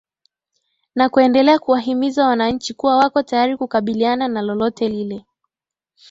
na kuendelea kuwahimiza wananchi kuwa wako tayari kukabiliana na lolote lile